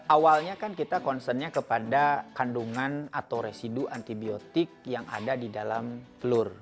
awalnya kan kita concernnya kepada kandungan atau residu antibiotik yang ada di dalam telur